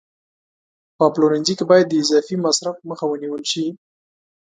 په پلورنځي کې باید د اضافي مصرف مخه ونیول شي.